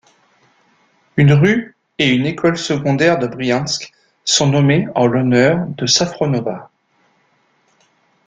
Une rue et une école secondaire de Briansk sont nommées en l'honneur de Safronova.